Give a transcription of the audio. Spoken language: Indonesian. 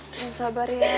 jangan sabar ya